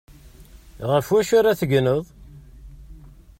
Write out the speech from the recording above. Ɣef wacu ara tegneḍ?